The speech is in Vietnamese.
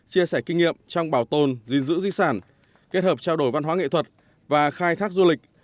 chia sẻ kinh nghiệm trong bảo tồn gìn giữ di sản kết hợp trao đổi văn hóa nghệ thuật và khai thác du lịch